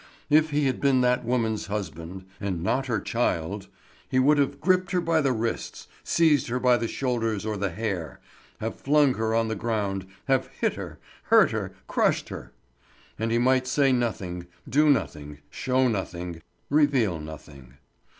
If he had been that woman's husband—and not her child—he would have gripped her by the wrists, seized her by the shoulders or the hair, have flung her on the ground, have hit her, hurt her, crushed her! And he might say nothing, do nothing, show nothing, reveal nothing.